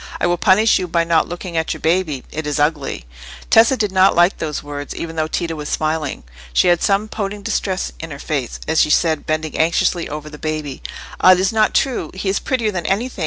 I will punish you by not looking at your baby; it is ugly." Tessa did not like those words, even though Tito was smiling. She had some pouting distress in her face, as she said, bending anxiously over the baby— "Ah, it is not true! He is prettier than anything.